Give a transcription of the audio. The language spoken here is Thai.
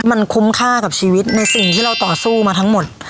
มันคุ้มค่ากับชีวิตในสิ่งที่เราต่อสู้มาทั้งหมด